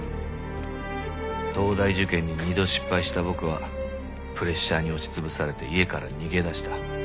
東大受験に二度失敗した僕はプレッシャーに押し潰されて家から逃げ出した。